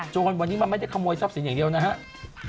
จนวันนี้มันไม่ได้ขโมยทรัพย์สินอย่างเดียวนะครับ